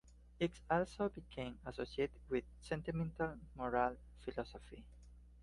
It also became associated with sentimental moral philosophy.